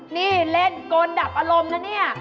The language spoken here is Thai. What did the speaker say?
นี่เล่นกลดับอารมณ์นะเนี่ย